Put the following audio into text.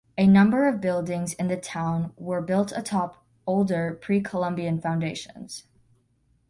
A number of buildings in the town were built atop older Pre-Columbian foundations.